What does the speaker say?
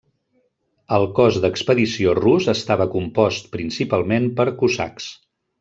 El cos d'expedició rus estava compost principalment per cosacs.